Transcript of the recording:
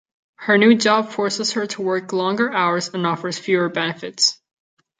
Her new job forces her to work longer hours and offers fewer benefits.